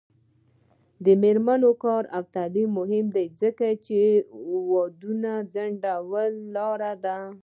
د میرمنو کار او تعلیم مهم دی ځکه چې ودونو ځنډ لاره ده.